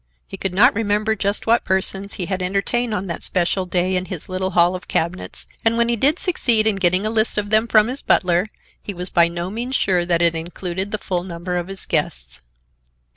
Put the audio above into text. He could not remember just what persons he had entertained on that especial day in his little hall of cabinets, and, when he did succeed in getting a list of them from his butler, he was by no means sure that it included the full number of his guests.